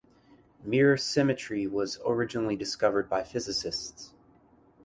Mirror symmetry was originally discovered by physicists.